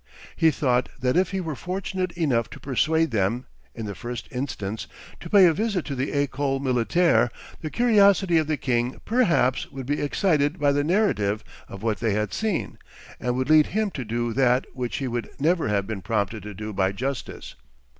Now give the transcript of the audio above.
He thought that if he were fortunate enough to persuade them, in the first instance, to pay a visit to the École Militaire, the curiosity of the king perhaps would be excited by the narrative of what they had seen, and would lead him to do that which he would never have been prompted to do by justice.